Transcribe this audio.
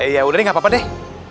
ya udah nih gapapa deh